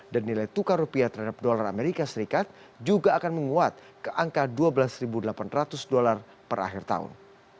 dan nilai tukar rupiah terhadap dolar as juga akan menguat ke angka dua belas delapan ratus dolar per akhir tahun